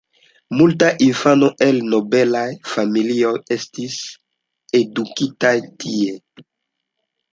Multaj infanoj el nobelaj familioj estis edukitaj tie.